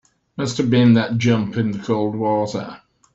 Must have been that jump in the cold water.